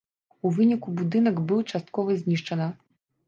У выніку будынак быў часткова знішчана.